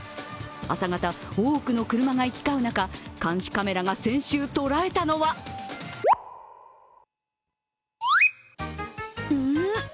朝方、多くの車が行き交う中、監視カメラが先週捉えたのはうん？